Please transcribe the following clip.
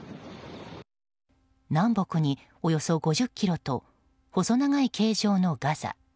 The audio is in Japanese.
南北におよそ５０ｋｍと細長い形状のガザ。